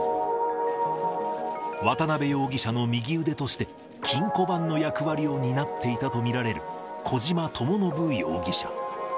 渡辺容疑者の右腕として、金庫番の役割を担っていたと見られる小島智信容疑者。